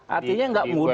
artinya nggak mudah